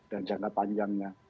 dan jangka panjangnya